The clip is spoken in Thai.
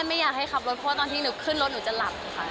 มีโอกาสได้นั่งรถพี่ณเดชบ่อยมั้ย